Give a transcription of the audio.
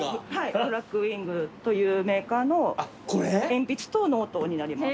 ＢＬＡＣＫＷＩＮＧというメーカーの鉛筆とノートになります。